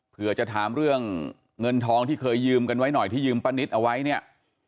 เพื่อจะถามเรื่องเงินทองที่เคยยืมกันไว้หน่อยที่ยืมป้านิตเอาไว้เนี่ย